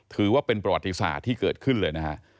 ถือว่าเป็นประวัติศาสตร์ที่เกิดขึ้นเลยนะฮะ